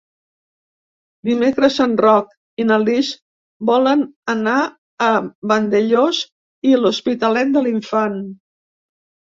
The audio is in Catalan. Dimecres en Roc i na Lis volen anar a Vandellòs i l'Hospitalet de l'Infant.